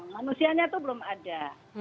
manusianya itu belum ada